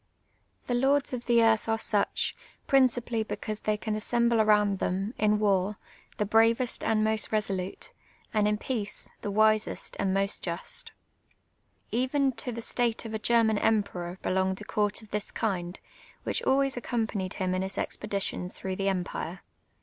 llie lords of the earth are such, principally because they can a.ssemble aroiuid them, in war, the bravest and most reso lute, and in peace, thi' wisest and most just, l^ven to the stJite of a German emperor belonged a court of this kind, which alw;;ys accompanied him in his expeditions through the emj)ire.